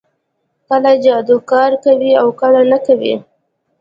کله جادو کار کوي او کله نه کوي